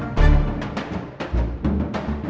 ketika dikirimkan oleh istri